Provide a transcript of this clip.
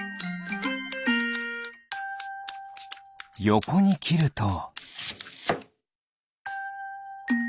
よこにきると。